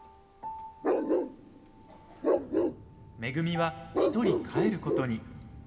めぐみは、１人帰ることに。